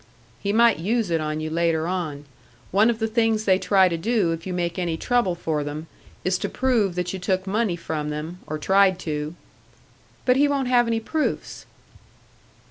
"He might use it on you later on. One of the things they try to do if you make any trouble for them, is to prove that you took money from them, or tried to." "But he won't have any proofs."